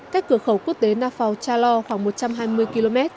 cách cửa khẩu quốc tế na phào cha lo khoảng một trăm hai mươi km